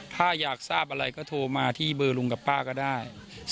ถ้าอยากทราบอะไรก็โทรมาที่เบอร์ลุงกับป้าก็ได้